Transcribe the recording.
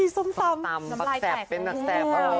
ส้มตำส้มไหล่แกะ